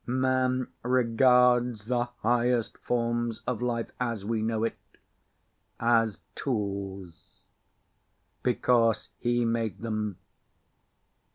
Man regards the highest forms of life (as we know it) as tools because he made them.